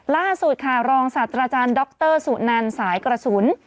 ล่าสุดค่ะรองศาสตราจารย์ดรสุนันสายกระสุน